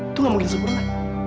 itu gak mungkin sempurna